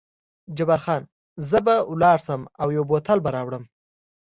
جبار خان: زه به ولاړ شم او یو بوتل به راوړم.